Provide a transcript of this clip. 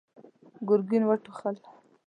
ګرګين وټوخل.